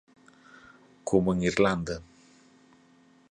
Como en Irlanda